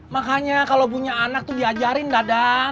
makanya kalau punya anak tuh diajarin dadang